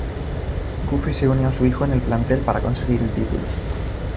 Goofy se une a su hijo en el plantel para conseguir el título.